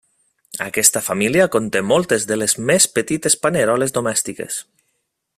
Aquesta família conté moltes de les més petites paneroles domèstiques.